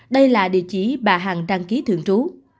đây là địa chỉ bà hằng đăng ký thường trú